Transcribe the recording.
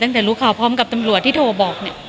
ตั้งแต่รู้ข่าวพร้อมกับตำรวจที่โทรบอกเนี่ย